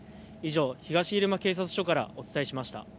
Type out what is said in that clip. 以上、東入間警察署からお伝えしました。